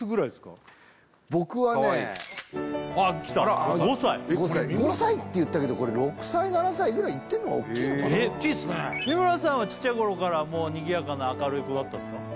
僕はねあきた５歳５歳っていったけどこれ６歳７歳ぐらいいってんのおっきいのかな三村さんはちっちゃい頃からにぎやかな明るい子だったんですか？